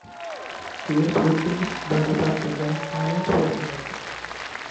He was replaced by Republican Arnold Schwarzenegger.